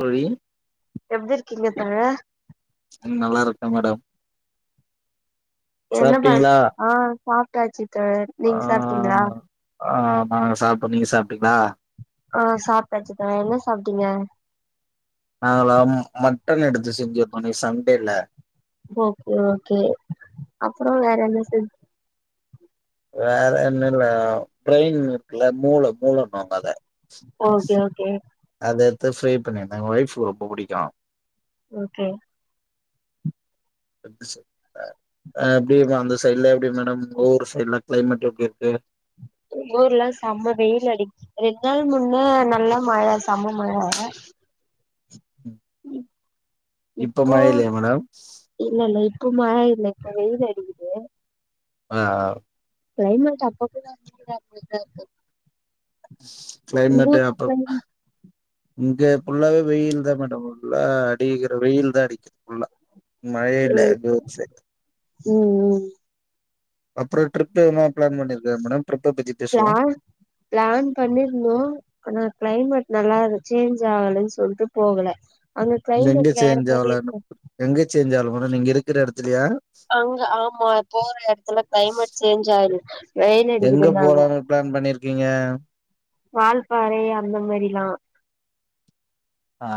தோழி எப்டி இருக்கீங்க தோழர் அ மேடம் என்ன பண் சாப்ட்டீங்களா ஆ சாப்பிட்டாச்சு தோழர் ஆ நீங்க சாப்பிட்டீங்களா ஆ நா சாப் ஆ சாப்பிட்டாச்சுதா என்ன செ சாப்பிட்டீங்க நாங்களா மட்டன் எடுத்து செஞ்சிருந்தோ இன்னைக்கு சண்டேல்ல அப்புறோ வேற என்ன செஞ் வேற என்னல்லா பிரெயின் இருக்குல மூள மூளன்னுவாங்க ஓகே ஓகே அத த ப்ரை பண்ணி இருந்தாங்க ஒய்ஃப்க்கு ரொம்ப புடிக்கும் ஓகே எப்டி அந்த சைய்டுல எப்டி மேடம் உங்க ஊர் சைய்டுல கிளைமேட் எப்டிருக்கு எங்க ஊர்லாம் செம வெயில் அடி ரெண்டு நாள் முன்ன நல்லா மழ செம மழ இப்ப மழ இல்லயா மேடம் ப மழ இல்ல வெயில் அடிக்கிது ஆ ஆவ் கிளைமேட் அப்பப்ப தா [unintelligible] கிளைமேட் அப்றோ இங்க புல்லாவே வெயில் தா மேடம் ஃபுல்லா வெயில் தா அடிக்குது ஃபுல்லா மழையே இல்ல எங்க ஊர் சையிட் ம் ட்ரிப் எதுனா ம் பிளான் பண்ணிருக்கியா மேடம் ட்ரிப்ப பத்தி பேசுவோ பிளான் பிளான் பண்ணிருந்தோம் ஆனா கிளைமெட் நல்லா அது சேஞ்ச் ஆகலன் சொல்லிட்டு போகல அங்க எங்க கிளைமேட் வேற சேஞ்ச் மாரி ஆவுல இன்னு இருக்கு எங்க சேஞ்ச் ஆவுல மொற நீங்க இருக்கிற எடத்துலையா அங்க ஆம்மா போற எடதுல கிளைமேட் சேஞ்ச் ஆய்ரு எங்க போலானு பிளான் பண்ணிருகீங்க வால்பாறை அந்த மாரிலாம் ஆ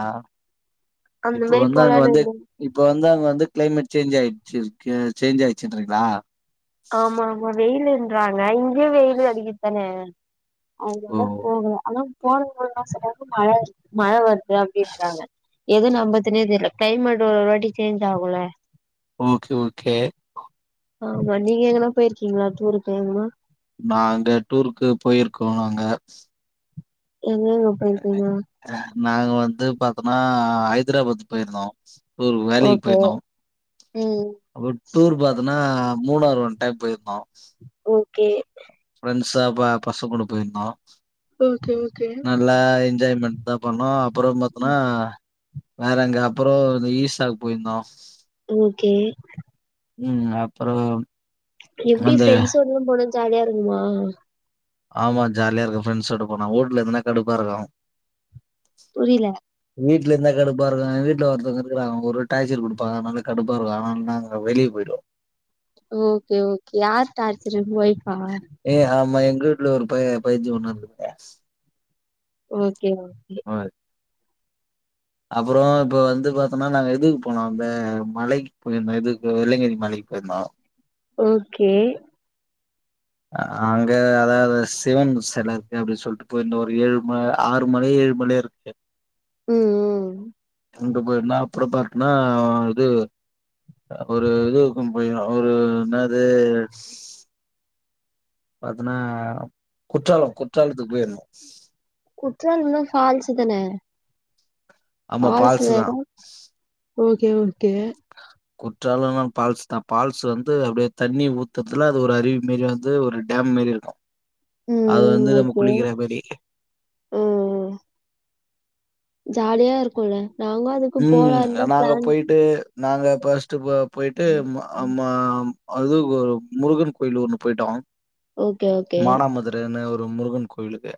இப்போ மாரி வந்து அங்க போலான்னு வந்து இருந்தோ இப்ப வந்து அங்க வந்து கிளைமேட் சேஞ்சி ஆய்டுச்சு இருக்கு சேஞ்ச் ஆயிச்சிட்ருக்கா ஆமா ஆமா வெயிலு ண்றாங்க இங் இங்கியு வெயில் அடிக்குதானே அது ஓ இன்னோ போகல அனா போன ஒம்போது மாசத்துல ருந்து மழ வரு மழ வரு அது அப்பிடின்றாங்க எது நம்பறதுனே தெரில கிளைமேட் ஒருவாட்டி சேஞ்ச் ஆகுன்ல பொமுக்கி ஓகே ஆமா நீங்க எங்கனா போயிருகீங்ளா டூர்க்கு எங்கனா நாங்க டூருக்கு போயிருக்கோ நாங்க எங்கங்க போயிருகீங்க நாங்க வந்து பாதோனா ஆ ஹைதராபாத் போயிருந்தோ [inaudible] ரு வேலையிக்கு ஓகே போயிருந்தோ ம் அப்ப டூர் பாத்துனா மூணாறு ஒன் டைம் போயிருந்தோ கே பிரண்ஸ்ஸ ப பசங்க கூட போயிர்ந்தோ ஓகே ஓகே நல்லா என்ஜாய்மெண்ட் தா பண்ணோ அப்றோ பாத்தோனா வேற எங்க அப்றோ ஈஸ்ட் சாகு போயிருந்தோ ஓகே ம் அப்றோ எப்டி பிரெண்ட்ஸ்ஸோடதா போனங்க ஜாலியா இருக்குமா ஆமா ஜாலியா இருக்கு ப்ரெண்ஸ்ஸோட போனா ஊட்ல இருந்தா கடுப்பா இருக்கு புரில வீட்ல இருந்தா கடுப்பா இருக்கு வீட் [unintelligible] ப்ர ஒரே டார்சர் குடுப்பாங்க ஓரே கடுப் ப்ப ஒரு அரமணி நேரத்ல வெளிய போய்டுவே ஓகே ஓகே யார் டார்ச்சர் இப்பைக்கு ஏ ஆமா எங்க வீட்ல ஒரு பைய பைத்திய ஒன்னு இரு [inaudible] ஓக் கே ஓகே அப்றோ இப்ப வந்து பாத் அப்பறன்னா நாங்க எதுக்கு போனோம் அந்த மலைக்கு போயிருந்தோ இது வெள்ளங்கிரி மலைக்கு போயிருந்தோ ஓகே ஆ அங்க அதாவது சிவன் செல இருக்கு அப்டின்னு சொல்ட்டு போய் இருந்தோ ஒரு ஏழு மல ஆறு மலயோ ஏழு மலயோ இருக்கு உம் உம் உண்ட்டு போய் நா அப்பற பாத்தேன்னா இது ஒரு இதுக்கு போய் ஒரு என்னாது பத்தன்னாப் குற்றாலம் குற்றாலத்துக்கு போயிருந்தோ குற்றால இன்னா ஃபால்ஸ் தானே ஆமா ஃபால்சுதா ஓகே ஓ குற்றால நா ஃபால்ஸ் தா பால்ஸ் வந்து அப்டியே தண்ணி ஊத்துதுல அது ஒரு அருவி மேரி வந்து ஒரு டேம் மேரி இருக்கு அது ம் வந்து நம்ம ஓகே குளிக்கிறமரி ம் ஜாலியா இருக்குல ம் நாங்க போயிட்டு நாங்க பஸ்ட் போயிட்டு அம்மா அதுக்கொரு முருக கோயிலூர்னு போயிட்டோ ஓகே ஓகே ரோ முருகன் கோயிலுக்கு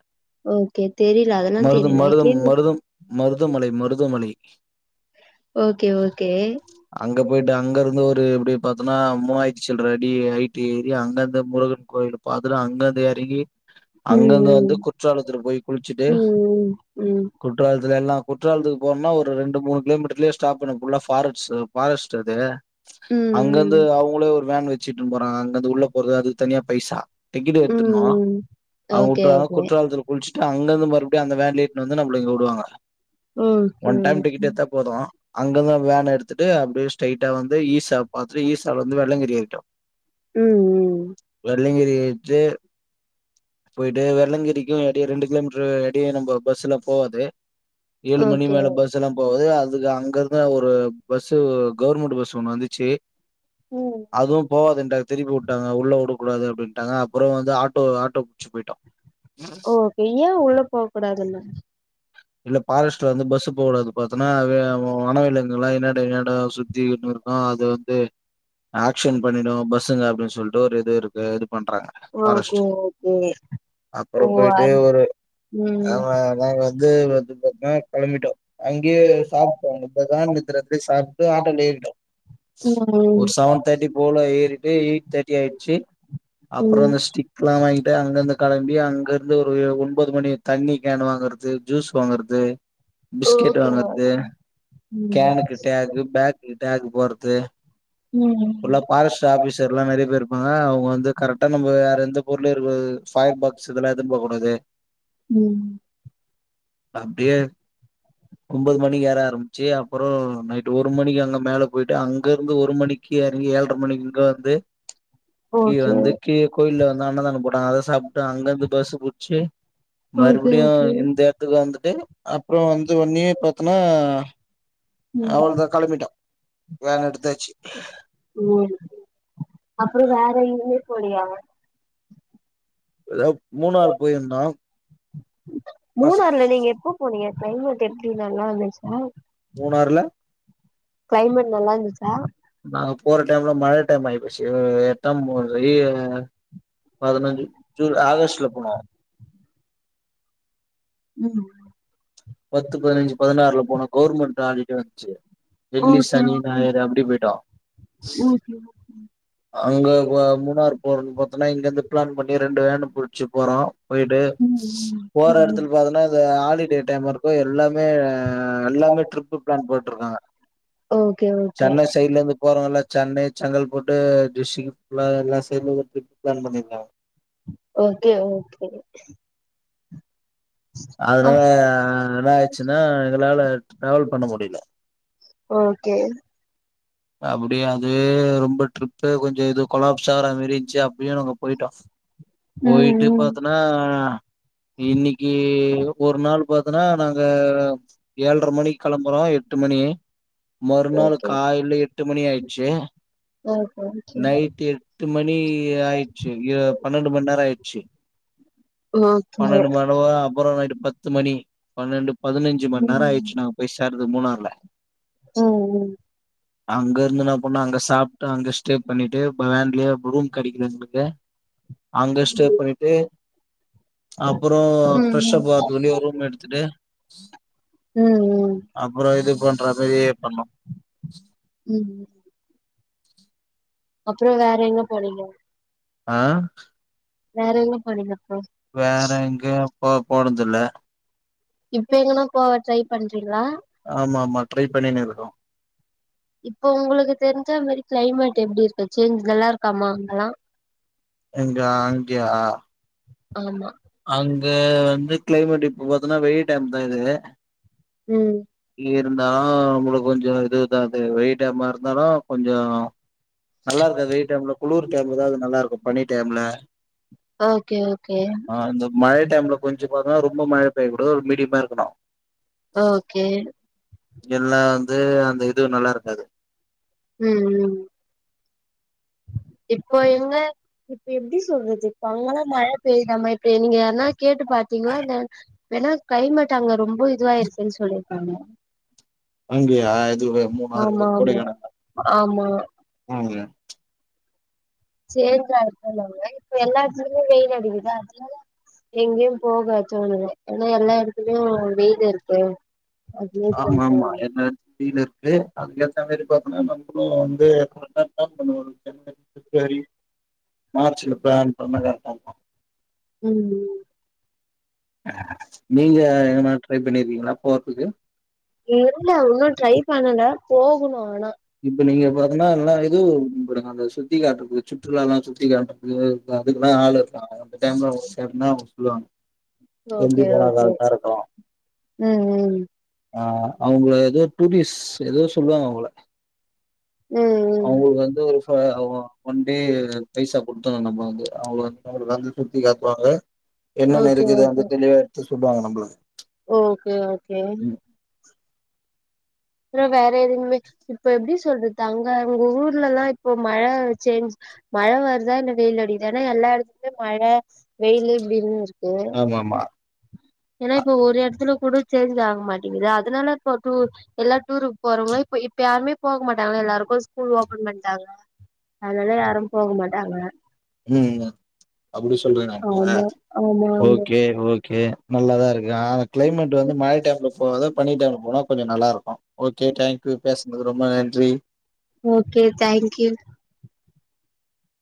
ஓகே தெரில அதெல்லா மருதம் தெரில மருதம் கேள்வி மருதம் மருதமலை மருதமலை ஓகே ஓகே அங்க போயிட்டு அங்கிருந்து ஒரு பாத்தன்னா மூவாயிரத் சில்ற டி ஐ டி ஏறியா அங்கந்து முருக கோயில பாத்தட்டு அங்கந்து எறங்கி அங்கந்து வந்து ம், குற்றாலத்துல போய் குளிச்சுட்டு ம், ம், குற்றாலத்துல எல்லா குற்றாலத்துக்கு போனோன்னா ஒரு ஒரு ரெண்டு மூணு கிலோமீட்டத்திலே ஸ்டாப் பண்ணு ஃபுல்லா பாரஸ் பாரஸ்ட் அது அங்கிருந்து ம், அவுங்களே ஒரு வேன் வச் ச்சிட்டும் போறாங்க அங்கந்து உள்ள போறது அதுக்கு தனியா பைசா டிக்கெட் எத்துனு ம். ஓகே, அவங்கவுட்டுறாங்க ஓகே. குற்றாலத்து குளிச்சுட்டு அங்கந்து மறுபடியு அந்த வேன்ல இட்னு விடுவாங்க ம் ஒன் டைம் டிக்கெட் எடுத்தா போது அங்கந்து வேன் எடுத்துட்டு அப்டியே ஸ்டைட்டா வந் ஈ சா பாதுட்டு ஈசா வந்து வெள்ளங்கிரி ஆகிட்டு ம், ம். வெள்ளங்கிரி பெத்து போயிட்டு வெல்லங்கிரிக்கு அடியே ரெண்டு கிலோமீட்டர் அடியே நம்ம பஸ்ல போவாது ஏழு மணி ஓகே. மேல பஸ் எல்லா போகுது அதுக்கு அங்க இரு இத்தா ஒரு பஸ் கவர்மெண்டு பஸ் ஒண்ணு வந்துச்சு ம். அதுவு போவாதுன்ட அது திருப்பி உடு டாங்க உள்ள உடக்கூடாது அப்பிடின்டாங்க அப்புற வந்து ஆட்டோ ஆட்டோ வச்சு போயிட்டோம் ஓகே ஏ உள்ள போ கூடாதுன்னா இல்ல பாரஸ்ட் வந்து பஸ்சு போ கூடாது பாத்தன்னா வெ வோ வனவிலங்கு எலாம் இன்னட என்னட சுத்திகின் இருக்கும் அது வந்து ஆக்ஷன் பண்ணிடும் பஸ்ஸுங்க அப்பிடின்னு சொல்லிட்டு ஒரு இது இருக்கு ஓகே ஓகே அப்பற ஓ! போயிட்டு அது ஒரு ம். ஆமா நாங்க வந்து வந்து பாத்தா கிளம்பிட்டோம் அங்கேயே சாப்புட்டோங்க அங்கதா நேத்து ராத்திரி சாப்டு ஆட்டோல ஏறிட்டோம் ஒரு ம், செவன் தேட்டி போல ஏறிட்டு எயிட் தேட்டி ஆயிடுச்சு அப்புற ம். இந்த ஸ்டிக்குலா வாங்கி டேங் இங்கந்து கெளம்பி அங்கிருந்து ஒரு ஒன்பது மணி தண்ணி கேன் வாங்குறது ஜூஸ் போங்கறது பிஸ்கெட் ஓகே, வாங்கறது ஓகே. ம், கேனுக்கு டேகு பேக்குக்கு டேகு போட்றது ம், இப்புல்லா பாரஸ்ட் ஆபிஸர் எல்லா நெறைய பேர் இருப்பாங்க அவுங்க வந்து கரெக்டா நம்ம வேற எந்த பொருளும் இருக்க கூடாது ஃபயர் பாக்ஸ் இதெல்லா எடுத்துப் போ கூடாது ம் அப்டியே ஒன்பது மணிக்கு ஏற ஆரம்பிச்சு அப்புறம் நைட்டு ஒரு மணிக்கு அங்க மேல போயிட்டு அங்க இருந்து ஒரு மணிக்கு கீழ எறங்கி ஏழ்ரை மணிக்கு இங்க வந்து கீ ஓகே. வந்து கீழ கோயில்ல வந் நா அன்னதானம் போட்டாங்க அதஸ் சாப்டு அங்கந்து பஸ் புடுச்சு ஓகே, மறுபடியு ஓகே. இந்த எடத்துக்கு வந்துட்டு அப்புற வந்து ஒன்னயே பாத்தனா ம், அவ்ளதா கிளம்பிட்டோம் வேன் எடுத்தாச்சி ம் அப்ற வேற எங்க போலயாங்கக ஏதாக் மூணாறு போயிருந்தோம் [inaudible] மூணாறுல நீங்க எப்ப போனீங்க கிளைமேட் எப்டி நல்லாருந்துச்சா மூணாறுல கிளைமேட் நல்லா இருந்துச்சா நாங்க போற டைம்ல மழ [unintelligible] ஆயி போச்சு எட்டம்பது வெளில பதினஞ்சு ஜூல ஆகஸ்ட்ல போனோ ம் பத்து பதினைஞ்சு பதினாறுல போன கவுவர்மெண்ட் [unintelligible] வந்துச்சு வெள்ளி ஓகே சனி ஞாயிறு அப்புடிபோய்டோ ஓகே அங்க வ மூன்னாறு போற பத் அதனா இங்கிருந்து பிளான் பண்ணி ரெண்டு வேன் புடிச்சு போறோ போயிட்டு ம் ம் போற எடத்துல பாத்தின்னா இந்த ஆள் த்ரி டே டைம் இருக்கு எல்லாமே எல்லாமே ட்ரிப் பிளான் போட்டிருக்காங்க ஓகே ஓகே சென்னை சைட்ல இருந்து போறோம்ல்ல சென்னை செங்கல்பட் டிஸிங் ஃபுல்லா எல்லா சேந்து அப்டி பிளான் பண்ணிருாங்க ஓகே ஓகே ஆ அதுனால என்ன ஆயச்சுன்னா எங்களால டிராவல் பண்ண முடில ஓகே அப்புடியே அதுவே ரொம் ஒரு டிரிப்பே கொஞ்ச இது கொலாப்ஸ் ஆவுற மாரிந்துச்சு அப்படியே நாங்க போயிட்டோ ம் போயிட்டு ம் பாத்தனா இன்னைக்கு ஒரு நாள் பாத்தனா நாங்க ஏழ்ரை மணிக்கு கிளம்புறோ எட்டு மணி மறுநாள் ஓகே காலைல எட்டு மணி ஆயிடுச்சு ஓகே நைட்டு் எட்டு மணி ஆயிச்சு எ பன்னெண்டு மணி நேரோ ஆயிடுச்சு ஓகே பன்னெண்டு ஓகே மணிவா அப்புறோ நைட்டு் பத்து மணி பன்னெண்டு பதினஞ்சு மண்நேரோ ஆயிச்சு நாங்க போய் சேர்றதுக்கு அது மூணாறுல ம் ம் அங்க இருந்து என்ன பண்ணு அங்க சாப் டு அங்க ஸ்டே பண்ணிட்டு ப வேன்லயே ரூம் கெடைக்கிறதுருக்கே அங்க ஸ்டே பன்னிட்டு அப்புறோ ம் ம் ஃப்ரஷப் பார்த்துத் ஒரு ரூம் எடுத்துட்டு ம் அப்புறோ இது பண்றது வெளியே பண்ணு ம் அப்புறோ வேற எங்க போனீங்க ஆ வேற எங்க போனிங்க வேற எங்க போ போனதுல இப்ப எங்குனா போவ ட்ரை பண்றீங்களா ஆமா ஆமா ட்ரை பண்ணினு இருக்கோ இப்போ உங்களுக்கு தெரிஞ்ச மாதிரி கிளைமேட் எப்டி இருக்கு சேஞ்ச் நல்லா இருக்காமா அங்கெல்லா எங்க அங்கயா ஆமா அங்க வந்து கிளைமேட் இப்ப பாத்தீன்னா வெயில் டைம் தா இது ம் இருந்தா நம்மளுக்கு கொஞ்சோ இது அதாவது வெயில் டைம் மா இருந்தாலு கொஞ்சோ நல்லா இருக்காது வெயில் டைம்ல குளிர் டைம்லதா நல்லா இருக்கு பனி டைம்ல ஓகே ஓகே அந்த மாரி மழை டைம்ல கொஞ்ச பாத்தங்கன்னா ரொம்ப மழை பெய்யக்கூடாது ஒரு மீடியமா இருக்கணு ஓகே எல்லா வந்து அந்த இது நல்லா இருக்காது ம் ம் இப்போ எங்க இப்ப எப்டி சொல்றது இப்போ அங்கல்லா மழ பெய்ற மாரி இப்ப நீங்க ஏனா கேட்டு பாரத்தீங்களா ஏனா கிளைமெட் அங்க ரொம்ப இதுவாருக்குன்னு சொல்லிருக்காங்க அங்கேயா அது மூனாறு ஆமா ஆமா கொடைக்கனல்ல ஆமா ம் ங்க சேஞ்ச் ஆயல்ல எல்லாத்தலயு வெயில் அடிக்குதா அதனால எங்கேயு போகாது தோணுது ஏன்னா எல்லா எடத்துலயு வெயில் இருக்கே ஆமா ஆமா என்னடீனு இருக்கு அதுக்கேத்த மாரி பார்த்தோனா நம்மளு வந்து கரெக்டா தா ஒரு ஜனவரி பிப்ரவரி மார்ச்சில ப்ளான் பண்ணா கரெக்டா இருக்கு ம் [unintelligible] நீங்க எங்கனா ட்ரைப் பண்ணிருக்கீங்களா போறதுக்கு இல்ல ஒன்னு ட்ரை பண்ணல போகணு ஆனா இப்ப நீங்க பாத்தீங்கன்னா எல்லாம் ஏதவு இ அந்த சுத்தி காட்டுறக்குது சுற்றுலால்லா சுத்தி காட்டுறக்கு அதுக்கெல்லா ஆள் இருக்காங்க அந்த டைம்ல அவங்க சேர்னா அவங்க சொல்லுவாங்க எப்டி ஓகே போனா ஓகே கரெக்டா இருக்கு ம் ம் ஆ அவங்கள எதோ டூரிஸ்ட் எதோஷ் சொல்வாங்க அவுங்கள ம் ம் அவுங்களுக்கு வந்து ஒரு ச ஒன் டே பைசா குடு த்தனு நம்ம வந்து அவுங்க வந்து நம்மளுக் வந்து சுத்தி காட்டுவாங்க என்னென்ன ஓகே இருக்குது ஓகே வந்து தெளிவா எடுத்து சொல்லுவாங்க நம்பளுக் ஓகே ஓகே அப்றொ வேற எதுமே இப்ப எப்டி சொல்றது அங்க அங்க ஊர்லல்லா இப்ப மழ சேஞ்ச் மழ வருதா இல்ல வெயில் அடிக்குது ஏனா எல்லா எடத் துல மழ வெயிலு இப்டின்னு இருக்கு ஆமா ஆமா ஏனா இப்ப ஒரு எடத்துல கூட சேஞ்ச் ஆக மாட்டெங்குது அதுனால இப்ப டூர் எல்லா டூருக்கு போறவுங்க இப்ப இப்ப யாருமே போக மாட்டாங்க எல்லாருக்கு ஸ்கூல் ஓபன் பண்ட்டாங்க அதுனால யாரு போக மாட்டாங்க ம்மா அப்டி சொல்றேனாங்க ஆமா ஆமா ஆமா ஓகே ஓகே நல்லாதா இருக்கு ஆனா அந்த கிளைமேட் வந்து மழை டைம்ல போகாத பனி டைம்ல போனா கொஞ்ச நல்லாருக்கு ஓகே தேங்க்யூ பேசுனதுக்கு ரொம்ப நன்றி ஓகே தேங்க்யூ